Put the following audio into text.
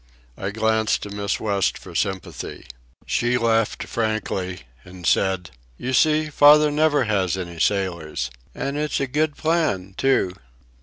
I glanced to Miss West for sympathy. She laughed frankly, and said: "You see, father never has any sailors. And it's a good plan, too."